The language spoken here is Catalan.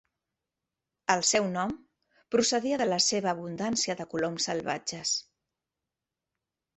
El seu nom procedia de la seva abundància de coloms salvatges.